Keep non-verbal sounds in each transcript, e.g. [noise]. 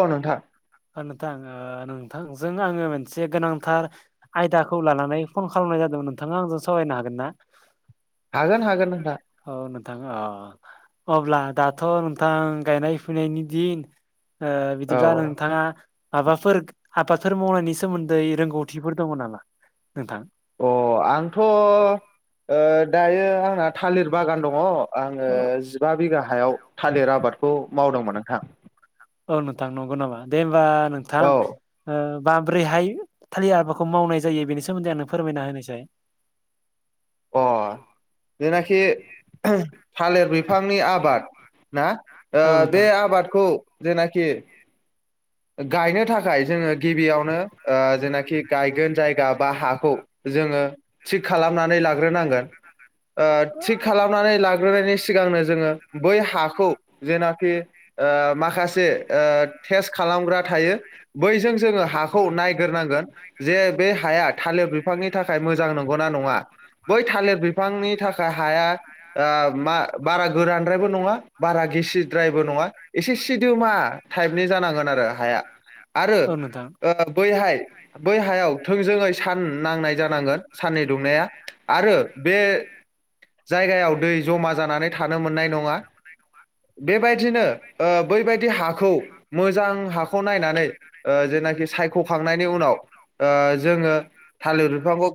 औ नोंथां नोंथां नोंथांजों आङो मोनसे गोनांथार आयदाखौ लानानै फन खालामनाय जादों नोंथाङा आंजों सावरायनो हागोन ना? हागोन हागोन नोंथां अ नोंथां अ अब्ला दाथ' नोंथां गायनाय फुनायनि दिन औ बिदिब्ला नोंथाङा माबाफोर आबादफोर मावनायनि सोमोन्दै रोंगौथिफोर दङ नामा? नोंथां? अ आंथ' दायो आंना थालिर बागान दङ आङो जिबा बिगा हायाव थालिर आबादखौ मावदोंमोन नोंथां औ नोंथां नंगौ नामा दे होमबा नोंथां औ माब्रैहाय थालिर आाबाखौ मावनाय जायो बेनि सोमोन्दै आंनो फोरमायना होनायसाय अ जेनाखि थालिर बिफांनि आबाद ना औ बे नोंथां आबादखौ जेनाखि गायनो थाखाय जोङो गिबियावनो जेनाखि गायगोन जायगा बा हाखौ जोङो थिग खालाम खालामनानै लाग्रोनांगोन थिग खालामनानै लाग्रोनायनि सिगांनो जोङो बै हाखौ खौ जेनाखि माखासे तेस्त खालामग्रा थायो बैजों जोङो हाखौ नायग्रोनांगोन जे बे हाया थालिर बिफां बिफांनि थाखाय मोजांंगौ ना नङा बै थालिर बिफांनि थाखाय हाया मा बारा गोरानद्रायबो नङा बा बारा गिसिद्रायबो नङा एसे सिदोमा टाइपनि जानांगोन आरो हाया आरो औ नोंथां बैहाय बैहा आरो बे जायगायाव दै जमा जानानै थानो मोननाय नङा बेबायदिनो बैबायदि हाखौ मोज जां हाखौ नायनानै जेनाखि सायख'खांनायनि उनाव जोङो था लिर बिफांखौ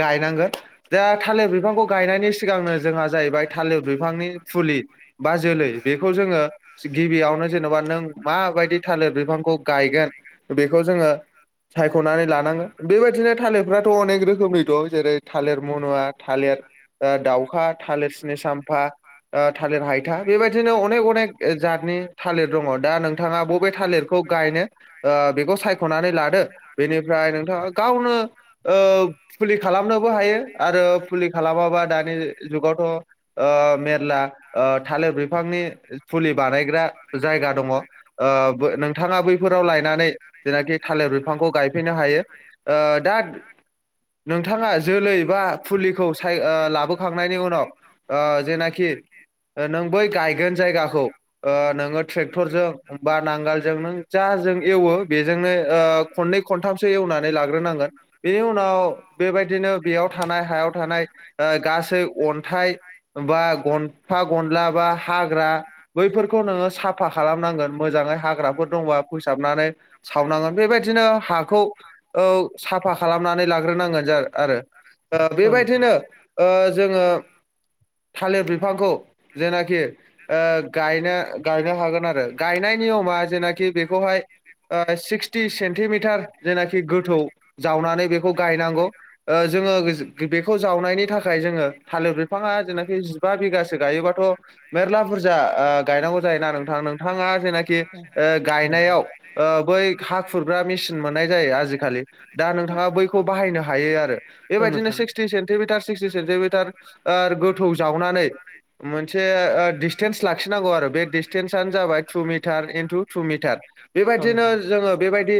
गायनांगोन दा थालिर बिफांखौ गायनायनि सिगांनो जोंहा जाहैबाय थालिर बिफांनि फुलि बा जोलै बेखौ जोङो गिबियावनो जेनबा नों माबायदि थालिर बिफांखौ गायगोन बेखौ जोङो सायख'नानै लानांगोन बेबायदि बिदिनो थालिरफ्राथ' अनेक रोखोमनि दं जेरै थालेर मन'वा थालेर दाउखा थालेर सिनिसाम्फा थालेर हायथा बेबायदिनो अनेक अनेक थालेर दङ दा नोंथाङा बबे थालेरखौ गायनो बेखौ सायख'नानै लादो बेनिफ्राय नोंथाङा गावनो फुलि खालामनोबो हायो आरो फुलि खालामाबा दानि जुगावथ' मेरला थालेर बिफांनि फुलि बानायग्रा जायगा दङ नोंथाङा बैफोराव लायनानै जेनाखि थालेर बिफांखौ गायफैनो हायो दा नोंथां नोथाङा जोलै बा फुलिखौ लाबोखांनायनि उनाव जेनाखि नों बै गायगोन जायगाखौ नोङो ट्रेक टरजों बा नांगालजों नों जा जों एवो बेजोंनो खननै खनथामसो एवनानै लाग्रोनांगोन बेनि उनाव बेबायदि बिदिनो बेयाव थानाय हायाव थानाय गासै अन्थाइ बा गनसा गनसि लाबा हाग्रा बैफोरखौ नोङो साफ फा खालामनांगोन मोजाङै हाग्राफोर दंबा फोसाबनानै सावनांगोन बेबायदिनो हाखौ औ साफा खालामनानै लाग्रोनांगोन औ नोंथां बेबायदिनो जोङो थालेर बिफांखौ जेनाखि गायनो गाय हागोन आरो गायनाय नियमआ जेनाखि बेखौहाय स्किथि सेनटिमितार जेनाखि गोथौ जावनानै बेखौ गायनांगौ ओ जोङो बेखौ जावनायनि थाखाय जोङो थालिर बिफाङा जेनाखि जिबा बिगासो गायोबाथ मेरला बुरजा ओ जायोना नोंथाङा जेनाखि औ गायनाय नोंथां बै हा खुरग्रा मेसिन मोननाय जायो आखालि दा नोंथाङा बैखौ बायनो हायो आरो औ बेबायदिनो नोंथां स्किटि सेन्टिमिटार स्किटि सेन्टिमिटार गोथौ जावनानै मोनसे डसटेन्स लाखिनांगौ आरो बे दिस्टेन्सआनो जाबाय two metre into two metre औ बेबायदिनो नोंथां जोङो बेबायदि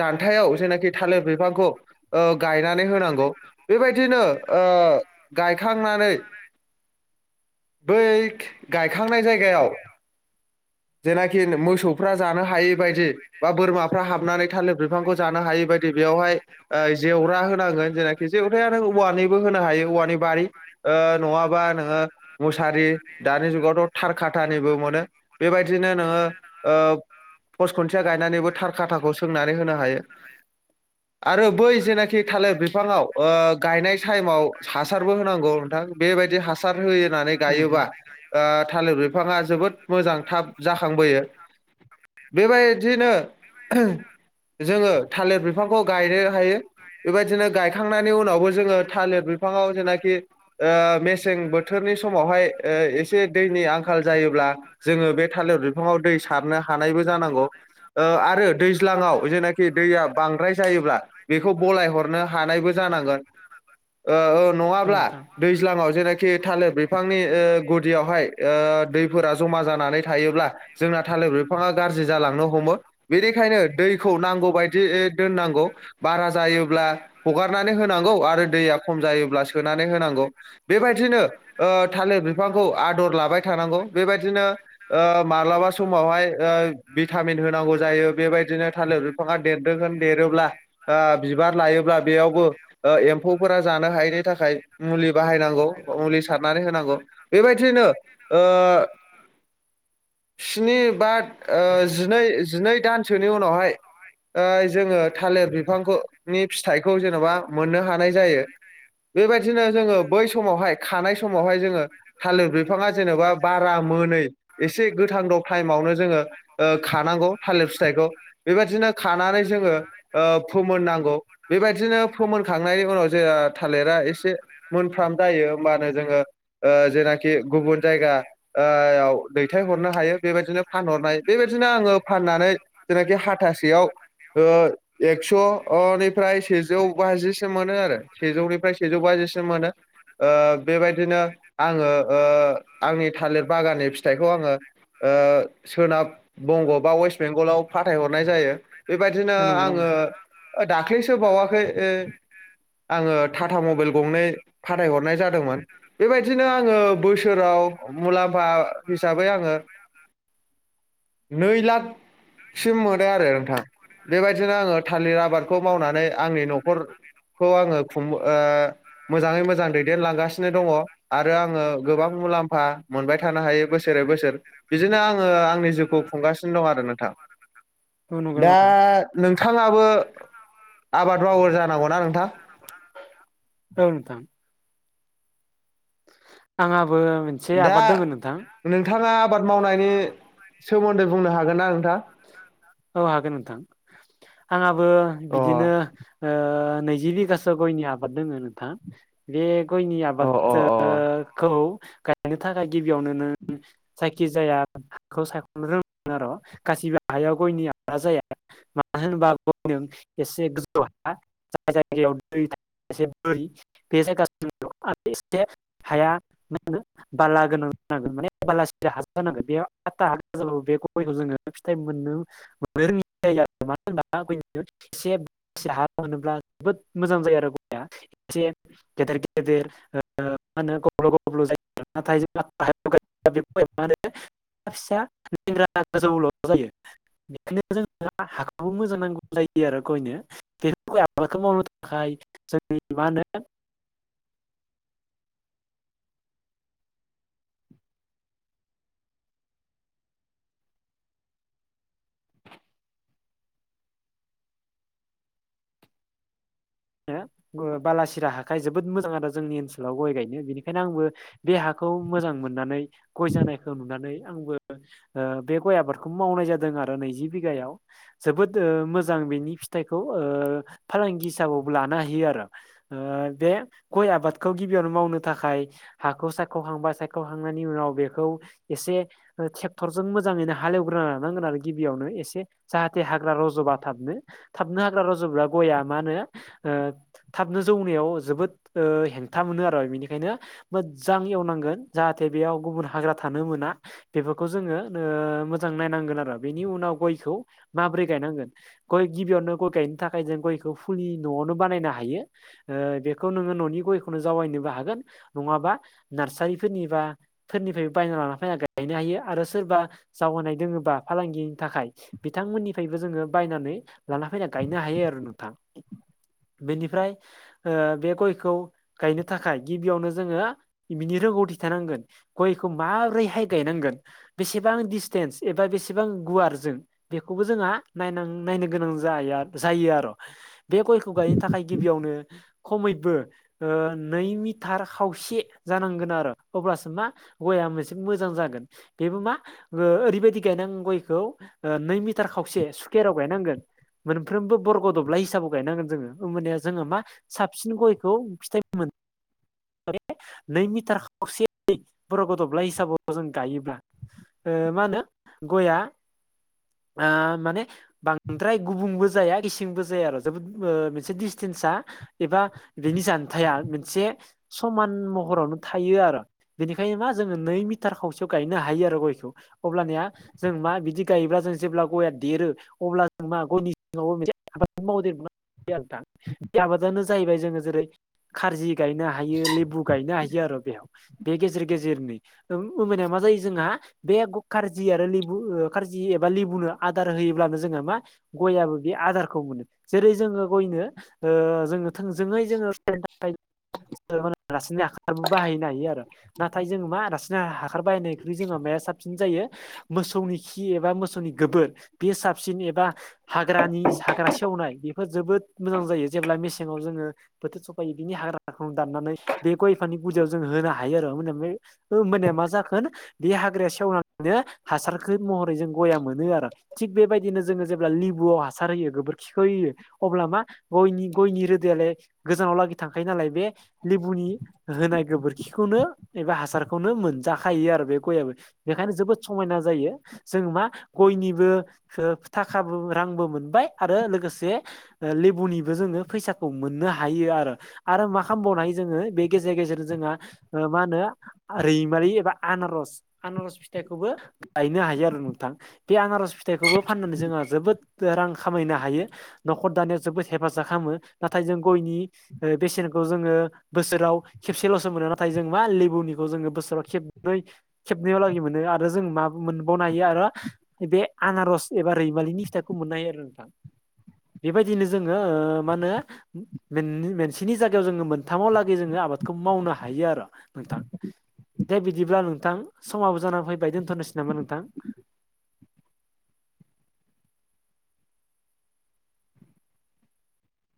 जानथायाव जेनाख थालिर बिफां गायनानै होनांगौ बेबायदिनो ओ गायखांनानै बै गायखांनाय जायगायाव जेनाखि मोसौफ्रा जानो हायि बायदि बा बोरमाफ्रा हाबनानै थालिर बिफांखौ जानो हायि बायदि बेयावहाय ओ जेवरा फ्रा होनांगोन जेनाखि जेबोथ नों औवानिबो होनो हायो औवानि बारि नङाबा नोङो मुसारि दानि जुगावथ थार खााथार मोनो बेबायदिनो नोङो ओ पस खुन्थिया गायनानैबो थार खाथाखौ सोंनानै होनो हायो आरो बै जेनाखि थालिर बिफाङाव ओ गायनाय टाइमाव हासारबो होनांगौ नोंथां बेबायदि हासार होनानै गायोब्ला ओ थालिर बिफां बिफाङा जोबोद मोजां थाब जाखांबोयो बेबायदिनो जोङो थालिर बिफांखौ गायनो हायो बेबायदिनो गायखांनायनि उनावबो जोङो थालिर बिफाङाव जेनाखि ओ मेसें बोथोरनि समावहाय ओ एसे दैनि आंखाल जायोब्ला जोङो बे थालिर बिफाङाव दै सारनो हानायबो जानांगौ आरो दैज्लां आव जेखि दैया बांद्राय जायोब्ला बेखौ बलाय हरनो हानायबो जानांगोन ओ औ नङाब्ला नोंथां दैज्लाङाव जेनाखि थालिर बिफांनि गुदियावहाय दैफोरा जमा जानानै थायोब्ला जोंना थालिर बिफाङा गाज्रि जालांनो हमो बेनिखायनो दै खौ नांगौ बादियै दोननांगौ बारा जायोब्ला हगारनानै होनांगौ आरो दैया खम जायोब्ला सोनानै होनांगौ बेबायदिनो थालिर ओ बिफांखौ आदर लाबाय थानाय नांगौ बेबायदिनो ओ मालाबा समावहाय भिटामिन होनांगौ बेबादिनो बिफाङा थालिर देरदों बिफांआ होन देरोब्ला ओ बिबार लायोब्ला बेयावबो ओ एम्फौफोरा जानो हायैनि थाखाय मुलि बाहायनांगौ मुलि सारनानै होनांगौ बेबायदिनो स्नि बा ओ जिनै जिनै दानसोनि उनावहाय ओ जोङो थालिर बिफां थालिर बिफां बे फिथाइखौ जेनबा मोननो हानाय जायो बेबायदिनो जोङो बै समावहाय खानाय समावहाय जोङो थालिर बिफाङा जेनेबा बारा मोनै एसे गोथां द टाइममावनो जोङो खानांगौ थालिर फिथाइ बेबायदिनो खानानै जोङो फोमोननांगौ बेबायदिनो फोमोनखांनायनि उनाव जे थालिरा एसे मोनफ्राम जायो होनबानो जों ओ जेनाखि गुबुन जायगाायाव दैथायहरनो हायो बेबायदिनो फानहरनाय बेबायदिनो आङो फाननानै जेनाखि हाथासेयाव ओ स‌ निफ्राय सेजौ बाजिसिम मोनो आरो सेजौनिफ्राय सेजौ बाजिसिम मोनो ओ बेबायदिनो आङो ओ आंनि थालिर बागाननि फिथाइखौ आङो सोनाब बंग ओ बा वेस्ट बेंगलाव फाथायहरनाय जायो बेबायदिनो औ नंगौ नामा आङो नोंथां दाख्लैसो बावाखै आं आङो ताता मबेल गंनै फाथाय हरनाय जादोंमोन बेबायदिनो आङो बोसोर मुलाम्फा हिसाबै आङो नै लाख सिम मोनो आरो नोंथां बेबायदिनो आङो थालिर आबादखौ मावनानै आंनि न'खरखौ आङो खुंबो ओ मोजाङै मोजां दैदेनलांगासिनो दङ आरो आङो गोबां मुलाम- फा मोनबाय थानो हायो बोसोरै बोसोर बिदिनो आङो आंनि जिउखौ खुंगासिनो दं आरो नोंथां औ नंगौ नामा दा नोंथां नोंथाङाबो आबाद मावो जानांगौनाा नोंथां औ नोंथां आंहाबो मोनसे दा आबाद दोङो नोंथां नोंथाङा आबाद मावनायनि सोमोन्दै बुंनो हागोनना नोंथां? औ हागोन नोंथां आंहाबो अ बिदिनो ओ नैजि बिगासो गयनि आबाद दोङो नोंथां बे गयनि अ आबाद अ ओ अ खौ गायनो थाखाय गिबियावनो नों जायखिजायाखौ हाखौ सायख'नो रोंनांगोन आरो' गासिबो हायाव गयनि आबादा जाया मानो होनोबा गयनो एसे गोजौ हा जाय जायगायाव दै थाया एसे बोरि बे जायगाखौ सायखनांगौ आरो एसे हाया माहोनो बाला गोनां जानांगोन माने बालासिरिया हाजार जानांगोन बेयाव आथा हागोजौ बे गयखौ जोङो फिथाइ मोननो मोननो रोंङि जायो आरो मानो होनोबा बैयो एसे बालासिया हा मोनोब्ला जोबोद मोजां जायो आरो गया एसे गेदेर गेदेर ओ मा होनो गब्ल गब्ल जायो नाथाय जेब्ला हाया गाहाय जायो बेयाव गया माहोनो फिसा दिंग्ला गोजौल' जायो। बेखायनो जोंनो हाखौबो मोजां नांगौ जायो आरो गयनो जिहेतु गय आबादखौ मावनो थाखाय जों मा‌‌ होनो [inaudible] [inaudible] ओ बालासिरा हाखाय जोबोद मोजां आरो जोंनि ओनसोलाव गय गायनो बेनिखायनो आंबो बे हाखौ मोजां मोननानै गय जानायखौ नुनानै आबो ओ बे गय आबदखौ मावनाय जादों आरो नैजि बि- गायाव जोबोद ओ मोजां बेनि फिथाइखौ ओ फालांगि हि- साबावबो लानो हायो आरो ओ बे गय आबादखौ गिबियावनो मावनो थाखाय हाखौ सायख'खांबाया सायख'खांनायनि उनाव बेखौ एसे ओ ट्रेक्टरजों मोजाङैनो हालेवग्रोना लानांगोन आरो गिबियावनो एसे जाहाथे हाग्रा रज'बा थाबनो थाबनो हाग्रा रज'ब्ला गया मा होनो ओ थाबनो जौनायाव जोबोद ओ हेंथा मोनो आरो बेनिखायनो मोजां एवनांगोन जाहाथे बेयाव गुबुन हाग्रा थानो मोना बेफोरखौ जोङो ओ मोजां नायनांगोन आरो बेनि उनाव गयखौ माब्रै गायनांगोन गय गिबियावनो गय गायनो थाखाय जों गयखौ फुलि न'आवनो बानायनो हायो ओ बेखौ नोङो न'नि गयखौनो जावैनोबो हागोन नङाबा नार्सारिफोरनि बा फोरनिफ्रायबो बायना लाना फायना गायनो हायो आरो सोरबा जावायनाय दोङोबा बा फालांगिनि थाखाय बिथांमोननिफ्रायबो जोङो बायनानै लाना फैना गायनो हायो आरो नोंथां [inaudible] बेनिफ्राय ओ बे गयखौ गायनो थाखाय गिबियावनो जोङो बिनि रोंगौ- थि थानांगोन गयखौ माबोरै हाय गायनांगोन बेसेबां दिसटेन्स एबा बेसेबां गुवार जों बेखौबो जोंहा नायनां नायनो गोनां जायो आरो बे गयखौ गायनो थाखाय गिबियावनो खमैबो ओ नै मिटार खावसे जानांगोन आरो अब्लासो मा गयया मोनसे मोजां जागोन बेबो मा ओ ओरैबायदि गायनांगोन गयखौ नै मिटार खावसे सुकेराव गायनांगोन मोनफ्रबो बर्ग दब्लाइ हिसाबाव गायनांगोन जोङो ओमबानिया जोङो मा साबसिन गयखौ फिथाइ मोन- माने नै मिटार खावसेयै बरग दबलाइ हिसाबाव जों गायोब्ला ओ मा होनो गया माने बांद्राय गुबुंबो जाया गिसिंबो जाया आरो। मोनसे दिसटेसा एबा बेनि जानथाया मोनसे समान महर रावनो थायो आरो बिनिखायनो मा जोङो नै मिटार खावसेयाव गायनो हायो आरो गयखौ अब्लानिया जों मा बिदि गायोब्ला जों जेब्ला गया देरो अब्ला जों मा गयनि [unintelligible] [unintelligible] बे आबादानो जाहैबाय जोङो जेरै खारजि गायनो हायो लेबु गायनो हायो आरो बेयाव बे गेजेर गेजेरनि मोनबाया मा जायो जोंहा बे खारजि आरो लेबु खारजि एबा लेबुनो आदार होयोब्लानो जोङो मा गयाबबो बे आदारखौ मोनो जेरै जोङो गयनो जोङो थोंजोङै जोङो नि थाखाय राससिननि हारबो बाहायनो हायो आरो नाथाय जोङो मा राससिनि हासार बाहायनायख्रुइ जोंङो साबसिन जायो मोसौनि खि एबा मोसौनि गोबोर बे साबसिन एबा हाग्रानि हाग्रा सेवनाय बेफोर जोबोद मोजां जायो जेब्ला मेसेंाव जोङो बोथोर सफायो बिनि हाग्रा दाननानै बे गय [inaudible] होनो हायो आरो। होमबानिया मा जागोन‌ बे हाग्रामा गेवनानै हासार जागोन। हासारखौ महरै जों गया मोनो आरो थिग बेबायदिनो जोङो जेब्ला लिबुआव हासार होयो गोबोरखिखौ होयो। अब्ला मा गयनि गयनि रोदायलाय गोजानाव लागि थांखायो नालाय बे लेबुनि होनाय गोबोरखि खौनो एबा हासारखौनो मोनजाखायो आरो बे गयाबबो बेनिखायनो जोबोद समायना जायो जों मा गयनिबो थाखाबो रांबो मोनबाय आरो लोगोसे लेबुनिबो जोङो फैसाखौ मोननो हायो आरो आरो मा खालामबावनो हायो जोङो बे गेजेर गेजेर जों मा होनो रैमारि एबा आनारस आनस फिथखौबो [unintelligible] गायनो हायो आरो नोंथां बे आनारस फिथाइखौबो फाननानै जोंहा जोबोद रां खामायनो हायो। न'खर दानायाव जोबोद हेफाजाब खालामो नाथाय जों गयनि बेसेनखौ जोङो बोसोराव खेबसेल'सो मोनो नाथाय जों मा लेबुनिखौ जोङो बोसोराव खेबनै खेबनैलाग मोनो आरो जों मा मोनबावनो हायो आरो बे आनारस एबा रैमालिनि फिथाइखौ मोननो हायो आरो नोंथां [inaudible] बेबायदिनो जोङो मा होनो मोनसेनि जायगायाव जोङो मोनथामाव लागै जोङो आबाद खौ मावनो हायो आरो नोंथां। दे बिदिब्ला नोंथां समाबो जानानै फैबाय दोनथ'नोसै नामा नोंथां? [inaudible]